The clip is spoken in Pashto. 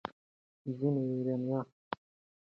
ځینې ایرانیان دا اړیکه عملي بولي.